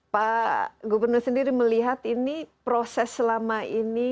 pak gubernur sendiri melihat ini proses selama ini